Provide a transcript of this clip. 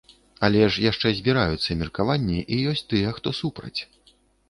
Але ж яшчэ збіраюцца меркаванні, і ёсць тыя, хто супраць.